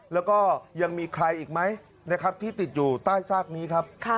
แล้วก็ยังมีใครอีกไหมนะครับที่ติดอยู่ใต้ซากนี้ครับ